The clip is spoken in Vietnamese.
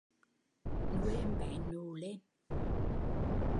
Nuôi em bé nụ lên